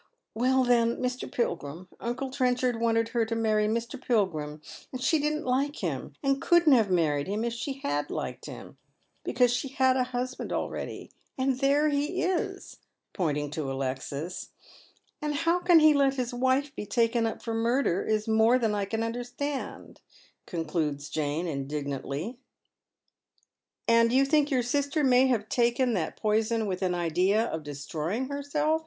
"Well, then, Mr. Pilgrim. Uncle Trenchard wanted her to marry Mr. Pilgrim, and she didn't like him, and couldn't have married him if she had hked him, because slie had a husband already, and there he is," pointing to Alexis, " and how he can let his wife be taken up for murder is more than I can under stand," concludes Jane, indignantly. " And you think your sister may have taken that poison with an idea of destroying herself